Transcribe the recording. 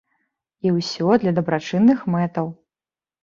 І ўсё для дабрачынных мэтаў.